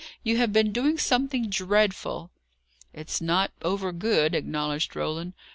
You have been doing something dreadful!" "It's not over good," acknowledged Roland.